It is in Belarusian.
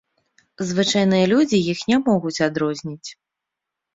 Звычайныя людзі іх не могуць адрозніць.